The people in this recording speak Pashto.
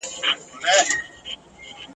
ورېښمیني څڼي دي شمال وهلې ..